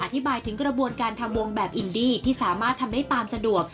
อธิบายถึงกระบวนการทำวงแบบอินดี้ที่สามารถทำได้ตามสะดวก